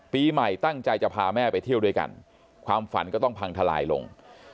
ปีใหม่ตั้งใจจะพาแม่ไปเที่ยวด้วยกันความฝันก็ต้องพังทลายลง